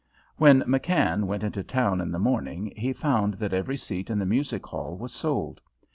When McKann went into town in the morning he found that every seat in the music hall was sold.